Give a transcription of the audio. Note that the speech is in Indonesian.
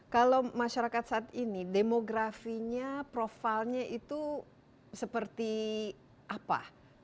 kalau masyarakat saat ini demografinya profilnya itu seperti apa